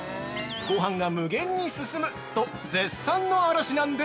「ごはんが無限に進む」と絶賛の嵐なんです。